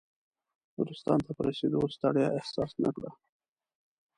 نورستان ته په رسېدو ستړیا احساس نه کړه.